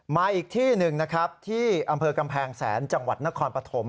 มาอีกที่หนึ่งนะครับที่อำเภอกำแพงแสนจังหวัดนครปฐม